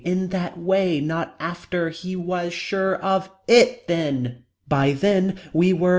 In that way. Not after. He was. Sure. Of it. Then. By then. We were.